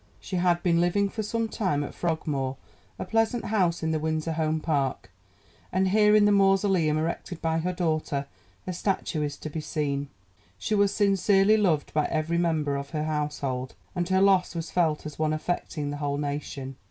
She had been living for some time at Frogmore, a pleasant house in the Windsor Home Park, and here in the mausoleum erected by her daughter her statue is to be seen. She was sincerely loved by every member of her household, and her loss was felt as one affecting the whole nation.